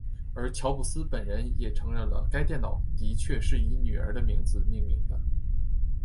而乔布斯本人也承认了该电脑的确是以女儿的名字命名的。